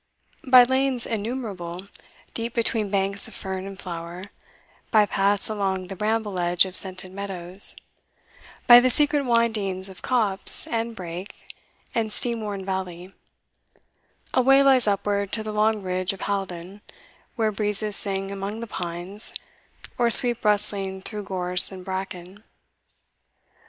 By lanes innumerable, deep between banks of fern and flower; by paths along the bramble edge of scented meadows; by the secret windings of copse and brake and stream worn valley a way lies upward to the long ridge of Haldon, where breezes sing among the pines, or sweep rustling through gorse and bracken.